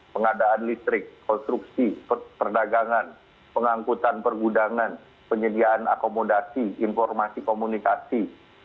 pengadaan listrik konstruksi perdagangan pengangkutan pergudangan penyediaan akomodasi informasi komunikasi